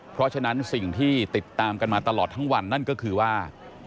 เพราะฉะนั้นสิ่งที่ติดตามกันมาตลอดทั้งวันนั่นก็คือว่า